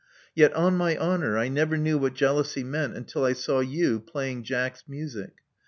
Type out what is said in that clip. Yet on my honor I never knew what jealousy meant until I saw you, playing Jack's music.